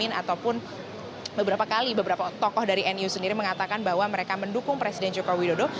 dan maruf amin ataupun beberapa kali beberapa tokoh dari nu sendiri mengatakan bahwa mereka mendukung presiden joko widodo